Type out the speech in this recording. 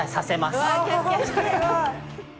おすごい！